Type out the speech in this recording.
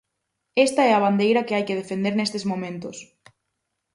Esta é a bandeira que hai que defender nestes momentos.